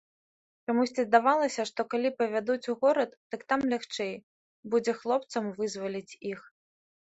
Чамусьці здавалася, што калі павядуць у горад, дык там лягчэй будзе хлопцам вызваліць іх.